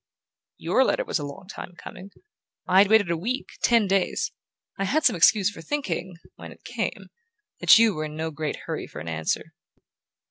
"Your letter was a long time coming. I had waited a week ten days. I had some excuse for thinking, when it came, that you were in no great hurry for an answer."